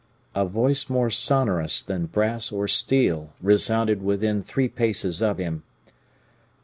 A voice more sonorous than brass or steel resounded within three paces of him.